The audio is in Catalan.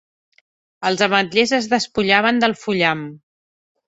Els ametllers es despullaven del fullam.